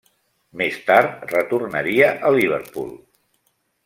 Més tard retornaria a Liverpool.